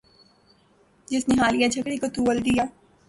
جس نے حالیہ جھگڑے کو طول دیا